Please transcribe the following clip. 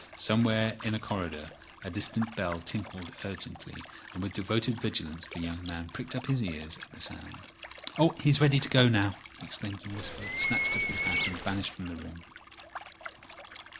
Somewhere in a corridor a distant bell tinkled urgently, and with devoted vigilance the young man pricked up his ears at the sound. "He's ready to go now," he exclaimed in a whisper, snatched up his hat, and vanished from the room.